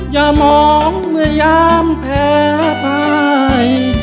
อย่ามองเมื่อยามแพ้ไป